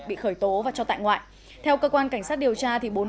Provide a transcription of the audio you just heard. bị khởi tố và cho tại ngoại